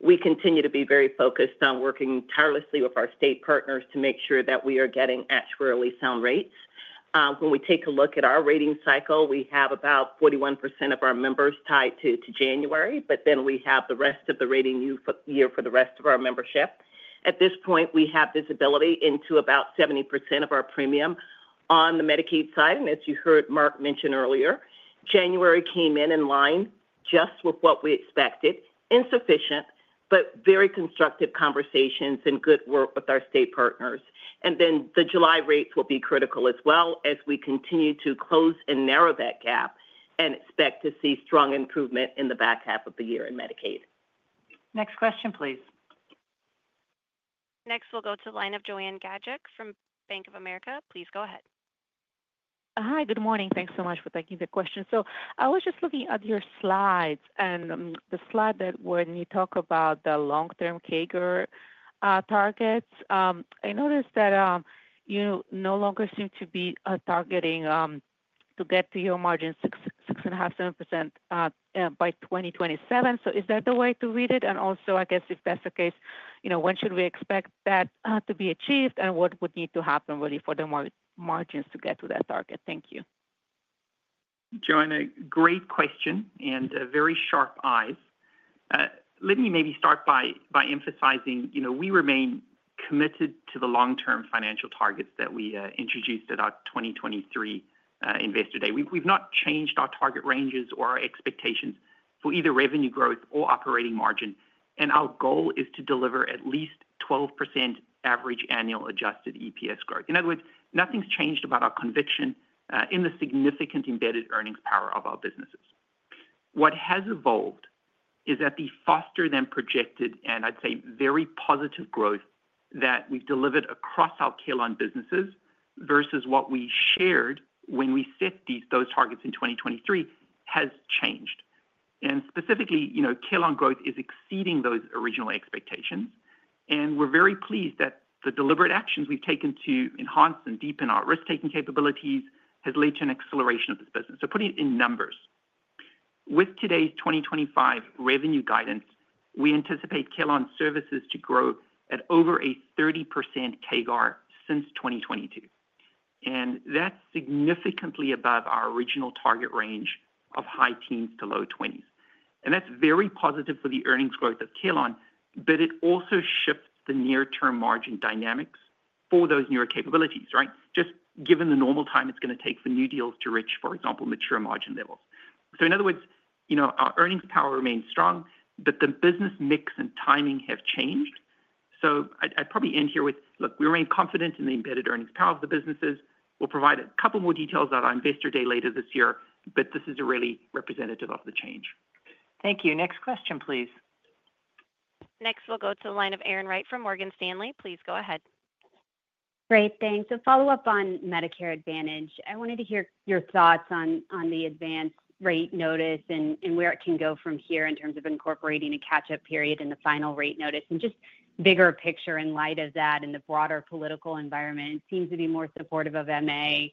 we continue to be very focused on working tirelessly with our state partners to make sure that we are getting actuarially sound rates. When we take a look at our rating cycle, we have about 41% of our members tied to January, but then we have the rest of the rating year for the rest of our membership. At this point, we have visibility into about 70% of our premium on the Medicaid side. And as you heard Mark mention earlier, January came in in line just with what we expected, insufficient, but very constructive conversations and good work with our state partners. And then the July rates will be critical as well as we continue to close and narrow that gap and expect to see strong improvement in the back half of the year in Medicaid. Next question, please. Next, we'll go to the line of Joanna Gajuk from Bank of America. Please go ahead. Hi, good morning. Thanks so much for taking the question. So I was just looking at your slides and the slide that, when you talk about the long-term CAGR targets, I noticed that you no longer seem to be targeting to get to your margin 6.5%-7% by 2027. So is that the way to read it? And also, I guess if that's the case, when should we expect that to be achieved and what would need to happen really for the margins to get to that target? Thank you. Joanna, great question and very sharp eyes. Let me maybe start by emphasizing we remain committed to the long-term financial targets that we introduced at our 2023 Investor Day. We've not changed our target ranges or our expectations for either revenue growth or operating margin. And our goal is to deliver at least 12% average annual adjusted EPS growth. In other words, nothing's changed about our conviction in the significant embedded earnings power of our businesses. What has evolved is that the faster than projected and I'd say very positive growth that we've delivered across our Carelon businesses versus what we shared when we set those targets in 2023 has changed, and specifically, Carelon growth is exceeding those original expectations, and we're very pleased that the deliberate actions we've taken to enhance and deepen our risk adjustment capabilities has led to an acceleration of this business, so putting it in numbers, with today's 2025 revenue guidance, we anticipate Carelon Services to grow at over a 30% CAGR since 2022, and that's significantly above our original target range of high teens to low twenties, and that's very positive for the earnings growth of Carelon, but it also shifts the near-term margin dynamics for those newer capabilities, right? Just given the normal time it's going to take for new deals to reach, for example, mature margin levels. So in other words, our earnings power remains strong, but the business mix and timing have changed. So I'd probably end here with, look, we remain confident in the embedded earnings power of the businesses. We'll provide a couple more details at our Investor Day later this year, but this is really representative of the change. Thank you. Next question, please. Next, we'll go to the line of Erin Wright from Morgan Stanley. Please go ahead. Great. Thanks. A follow-up on Medicare Advantage. I wanted to hear your thoughts on the Advance Rate Notice and where it can go from here in terms of incorporating a catch-up period in the Final Rate Notice. And just bigger picture in light of that and the broader political environment, it seems to be more supportive of MA,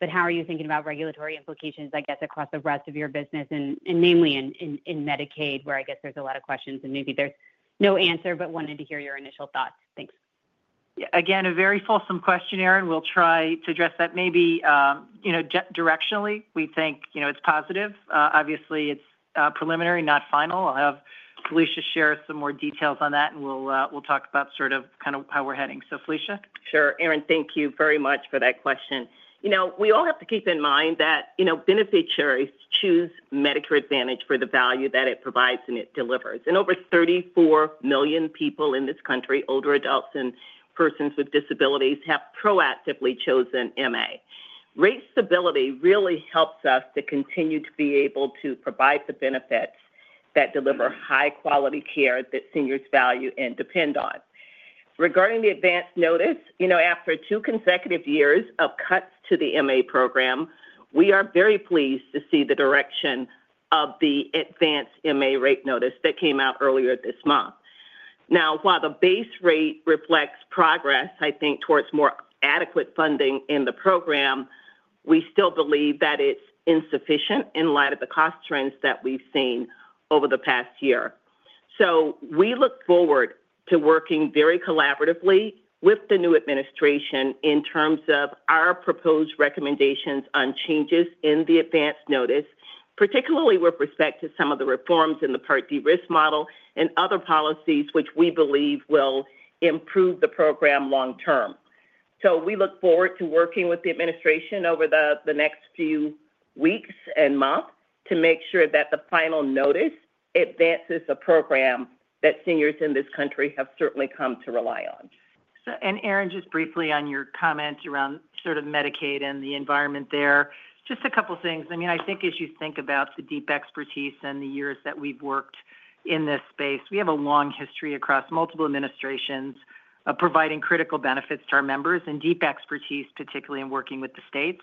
but how are you thinking about regulatory implications, I guess, across the rest of your business, and namely in Medicaid, where I guess there's a lot of questions and maybe there's no answer, but wanted to hear your initial thoughts. Thanks. Yeah. Again, a very fulsome question, Erin. We'll try to address that maybe directionally. We think it's positive. Obviously, it's preliminary, not final. I'll have Felicia share some more details on that, and we'll talk about sort of kind of how we're heading. So, Felicia. Sure. Erin, thank you very much for that question. We all have to keep in mind that beneficiaries choose Medicare Advantage for the value that it provides and it delivers. Over 34 million people in this country, older adults and persons with disabilities, have proactively chosen MA. Rate stability really helps us to continue to be able to provide the benefits that deliver high-quality care that seniors value and depend on. Regarding the Advance Notice, after two consecutive years of cuts to the MA program, we are very pleased to see the direction of the Advance MA Rate Notice that came out earlier this month. Now, while the base rate reflects progress, I think, towards more adequate funding in the program, we still believe that it's insufficient in light of the cost trends that we've seen over the past year. So we look forward to working very collaboratively with the new administration in terms of our proposed recommendations on changes in the Advance Notice, particularly with respect to some of the reforms in the Part D risk model and other policies, which we believe will improve the program long-term. So we look forward to working with the administration over the next few weeks and months to make sure that the Final Notice advances a program that seniors in this country have certainly come to rely on. And Erin, just briefly on your comments around sort of Medicaid and the environment there. Just a couple of things. I mean, I think as you think about the deep expertise and the years that we've worked in this space, we have a long history across multiple administrations of providing critical benefits to our members and deep expertise, particularly in working with the states.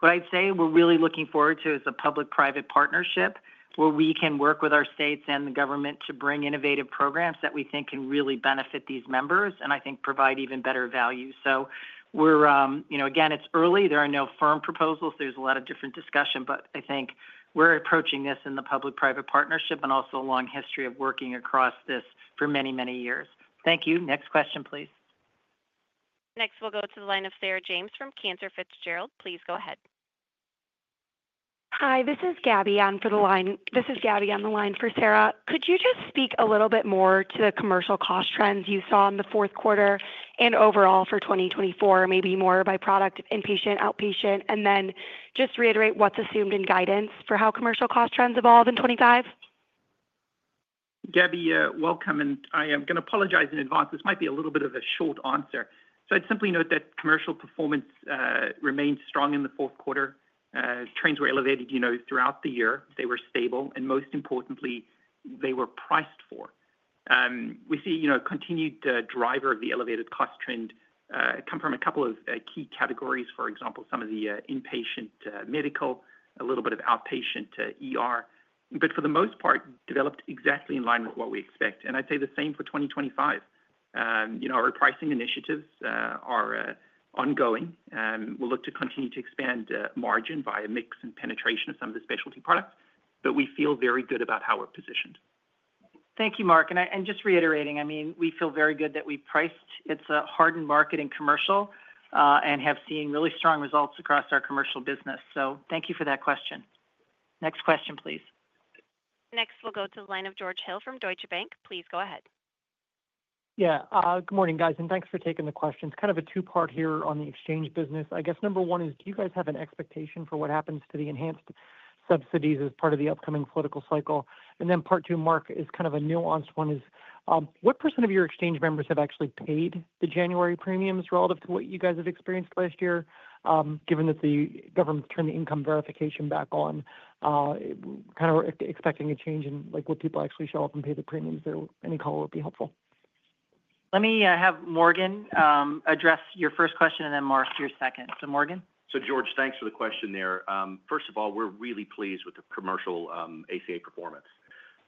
What I'd say we're really looking forward to is a public-private partnership where we can work with our states and the government to bring innovative programs that we think can really benefit these members and I think provide even better value. So again, it's early. There are no firm proposals. There's a lot of different discussion, but I think we're approaching this in the public-private partnership and also a long history of working across this for many, many years. Thank you. Next question, please. Next, we'll go to the line of Sarah James from Cantor Fitzgerald. Please go ahead. Hi, this is Gabby. I'm for the line. This is Gabby on the line for Sarah. Could you just speak a little bit more to the commercial cost trends you saw in the fourth quarter and overall for 2024, maybe more by product, inpatient, outpatient, and then just reiterate what's assumed in guidance for how commercial cost trends evolve in 2025? Gabby, welcome, and I am going to apologize in advance. This might be a little bit of a short answer, so I'd simply note that commercial performance remained strong in the fourth quarter. Trends were elevated throughout the year. They were stable. And most importantly, they were priced for. We see a continued driver of the elevated cost trend come from a couple of key categories, for example, some of the inpatient medical, a little bit of outpatient but for the most part, developed exactly in line with what we expect, and I'd say the same for 2025. Our pricing initiatives are ongoing. We'll look to continue to expand margin via mix and penetration of some of the specialty products, but we feel very good about how we're positioned. Thank you, Mark. And just reiterating, I mean, we feel very good that we priced. It's a hardened market in commercial and have seen really strong results across our commercial business. So thank you for that question. Next question, please. Next, we'll go to the line of George Hill from Deutsche Bank. Please go ahead. Yeah. Good morning, guys. And thanks for taking the questions. Kind of a two-part here on the exchange business. I guess number one is, do you guys have an expectation for what happens to the enhanced subsidies as part of the upcoming political cycle? Then part two, Mark, is kind of a nuanced one is, what % of your exchange members have actually paid the January premiums relative to what you guys have experienced last year, given that the government's turned the income verification back on? Kind of expecting a change in what people actually show up and pay the premiums there. Any color would be helpful. Let me have Morgan address your first question and then Mark your second. So Morgan. So George, thanks for the question there. First of all, we're really pleased with the commercial ACA performance.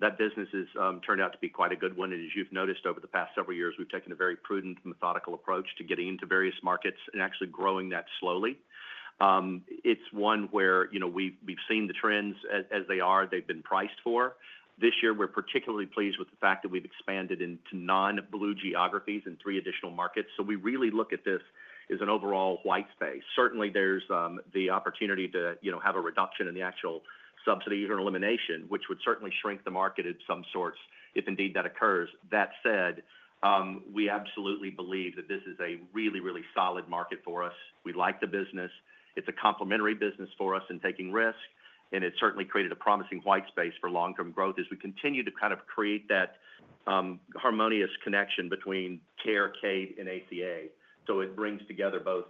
That business has turned out to be quite a good one. And as you've noticed over the past several years, we've taken a very prudent, methodical approach to getting into various markets and actually growing that slowly. It's one where we've seen the trends as they are. They've been priced for. This year, we're particularly pleased with the fact that we've expanded into nine Blue geographies and three additional markets. So we really look at this as an overall white space. Certainly, there's the opportunity to have a reduction in the actual subsidy or elimination, which would certainly shrink the market in some sorts if indeed that occurs. That said, we absolutely believe that this is a really, really solid market for us. We like the business. It's a complementary business for us in taking risk. And it's certainly created a promising white space for long-term growth as we continue to kind of create that harmonious connection between Carelon, and ACA. So it brings together both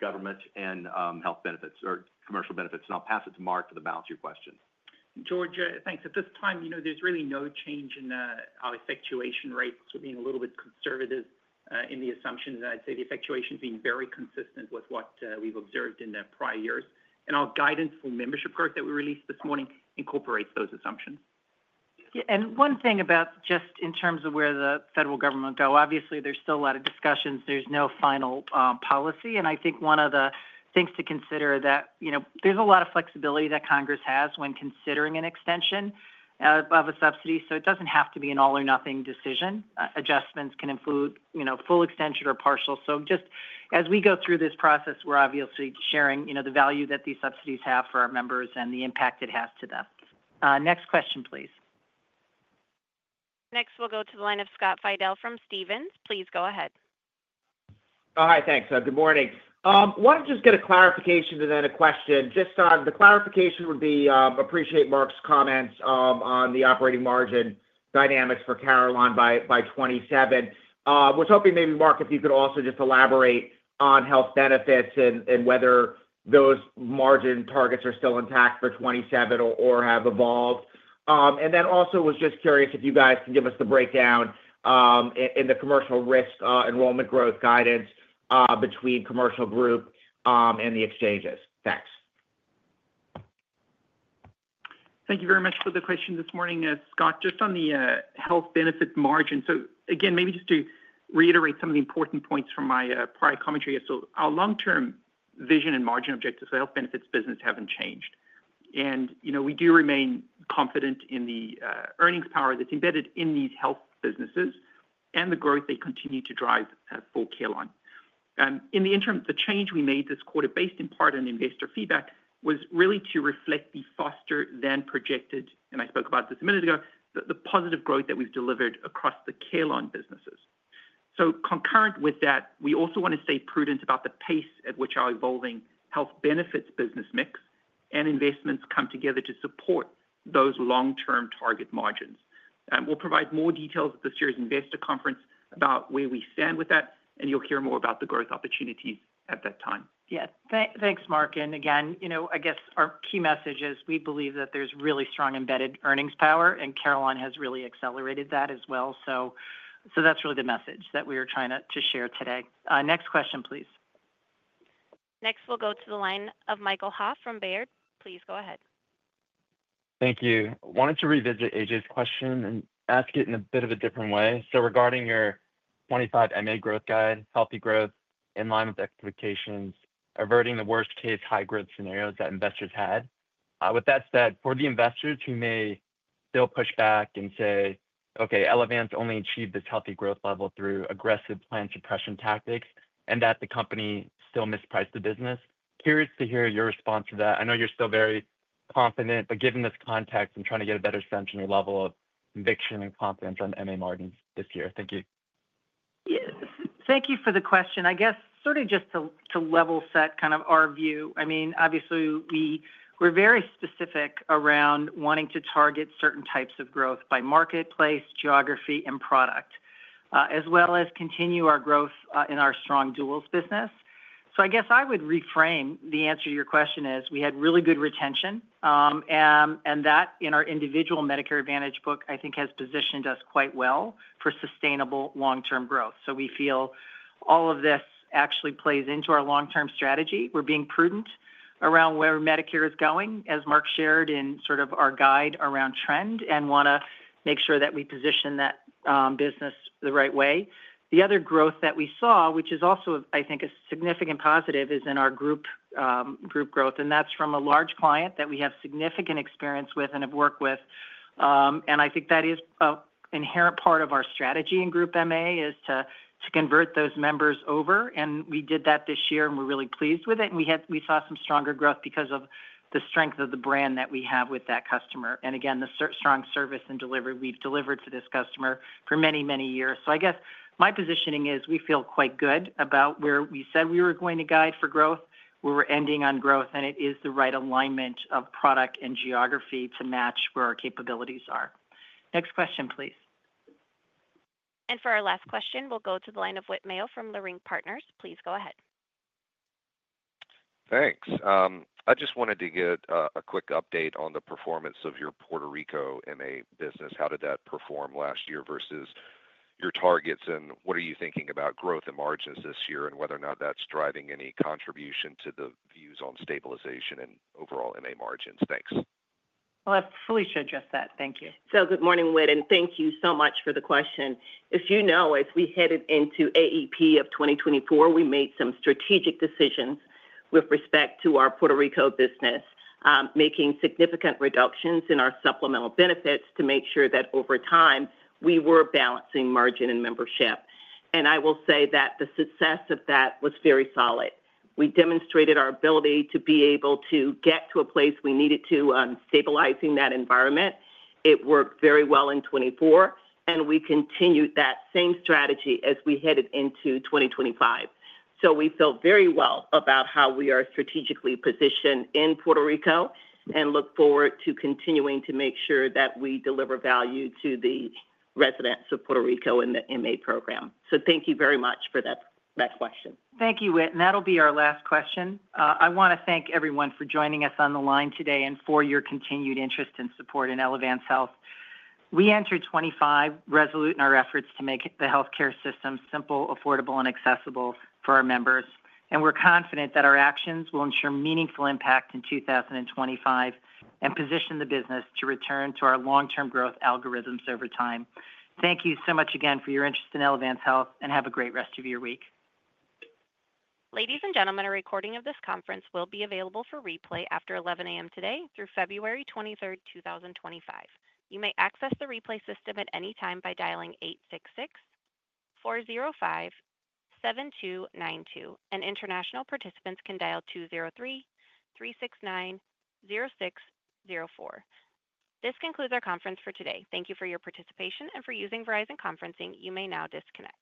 government and Health Benefits or commercial benefits. And I'll pass it to Mark to the balance of your question. George, thanks. At this time, there's really no change in our effectuation rates. We're being a little bit conservative in the assumptions. And I'd say the effectuation has been very consistent with what we've observed in the prior years. And our guidance for membership growth that we released this morning incorporates those assumptions. And one thing about just in terms of where the federal government go, obviously, there's still a lot of discussions. There's no final policy. And I think one of the things to consider is that there's a lot of flexibility that Congress has when considering an extension of a subsidy. So it doesn't have to be an all-or-nothing decision. Adjustments can include full extension or partial. So just as we go through this process, we're obviously sharing the value that these subsidies have for our members and the impact it has to them. Next question, please. Next, we'll go to the line of Scott Fidel from Stephens. Please go ahead. Hi, thanks. Good morning. I want to just get a clarification to then a question. Just on the clarification would be I appreciate Mark's comments on the operating margin dynamics for Carelon by 2027. Was hoping maybe, Mark, if you could also just elaborate on Health Benefits and whether those margin targets are still intact for 2027 or have evolved. And then also was just curious if you guys can give us the breakdown in the commercial risk enrollment growth guidance between commercial group and the exchanges. Thanks. Thank you very much for the question this morning. Scott, just on the health benefit margin. So again, maybe just to reiterate some of the important points from my prior commentary. So our long-term vision and margin objectives for Health Benefits business haven't changed. And we do remain confident in the earnings power that's embedded in these health businesses and the growth they continue to drive for Elevance. In the interim, the change we made this quarter based in part on investor feedback was really to reflect the faster than projected, and I spoke about this a minute ago, the positive growth that we've delivered across the Elevance businesses. So concurrent with that, we also want to stay prudent about the pace at which our evolving Health Benefits business mix and investments come together to support those long-term target margins. We'll provide more details at this year's investor conference about where we stand with that, and you'll hear more about the growth opportunities at that time. Yes. Thanks, Mark. And again, I guess our key message is we believe that there's really strong embedded earnings power, and Carelon has really accelerated that as well. So that's really the message that we are trying to share today. Next question, please. Next, we'll go to the line of Michael Ha from Baird. Please go ahead. Thank you. I wanted to revisit AJ's question and ask it in a bit of a different way. So regarding your '25 MA growth guide, healthy growth in line with expectations, averting the worst-case high-growth scenarios that investors had. With that said, for the investors who may still push back and say, "Okay, Elevance only achieved this healthy growth level through aggressive plan suppression tactics," and that the company still mispriced the business, curious to hear your response to that. I know you're still very confident, but given this context, I'm trying to get a better sense of your level of conviction and confidence on MA margins this year. Thank you. Yes. Thank you for the question. I guess sort of just to level set kind of our view. I mean, obviously, we were very specific around wanting to target certain types of growth by marketplace, geography, and product, as well as continue our growth in our strong duals business. So I guess I would reframe the answer to your question as we had really good retention, and that in our individual Medicare Advantage book, I think, has positioned us quite well for sustainable long-term growth. So we feel all of this actually plays into our long-term strategy. We're being prudent around where Medicare is going, as Mark shared in sort of our guide around trend, and want to make sure that we position that business the right way. The other growth that we saw, which is also, I think, a significant positive, is in our group growth. And that's from a large client that we have significant experience with and have worked with. And I think that is an inherent part of our strategy in Group MA is to convert those members over. And we did that this year, and we're really pleased with it. And we saw some stronger growth because of the strength of the brand that we have with that customer. And again, the strong service and delivery we've delivered to this customer for many, many years. So I guess my positioning is we feel quite good about where we said we were going to guide for growth. We were ending on growth, and it is the right alignment of product and geography to match where our capabilities are. Next question, please. And for our last question, we'll go to the line of Whit Mayo from Leerink Partners. Please go ahead. Thanks. I just wanted to get a quick update on the performance of your Puerto Rico MA business. How did that perform last year versus your targets? And what are you thinking about growth and margins this year and whether or not that's driving any contribution to the views on stabilization and overall MA margins? Thanks. Well, I'll fully address that. Thank you. So good morning, Whit. And thank you so much for the question. As you know, as we headed into AEP of 2024, we made some strategic decisions with respect to our Puerto Rico business, making significant reductions in our supplemental benefits to make sure that over time, we were balancing margin and membership. And I will say that the success of that was very solid. We demonstrated our ability to be able to get to a place we needed to on stabilizing that environment. It worked very well in 2024, and we continued that same strategy as we headed into 2025. So we feel very well about how we are strategically positioned in Puerto Rico and look forward to continuing to make sure that we deliver value to the residents of Puerto Rico in the MA program. So thank you very much for that question. Thank you, Whit. And that'll be our last question. I want to thank everyone for joining us on the line today and for your continued interest and support in Elevance Health. We entered 2025 resolute in our efforts to make the healthcare system simple, affordable, and accessible for our members. And we're confident that our actions will ensure meaningful impact in 2025 and position the business to return to our long-term growth algorithms over time. Thank you so much again for your interest in Elevance Health, and have a great rest of your week. Ladies and gentlemen, a recording of this conference will be available for replay after 11:00 A.M. today through February 23rd, 2025. You may access the replay system at any time by dialing 866-405-7292. International participants can dial 203-369-0604. This concludes our conference for today. Thank you for your participation and for using Verizon Conferencing. You may now disconnect.